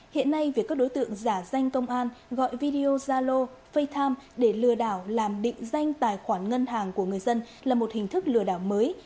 hiện nay việc các đối tượng giả danh công an gọi video zalo fay times để lừa đảo làm định danh tài khoản ngân hàng của người dân là một hình thức lừa đảo mới